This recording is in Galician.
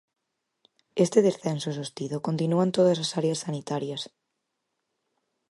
Este descenso sostido continúa en todas as áreas sanitarias.